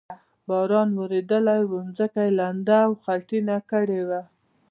باران ورېدلی و، ځمکه یې لنده او خټینه کړې وه.